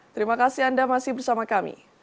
terima kasih anda masih bersama kami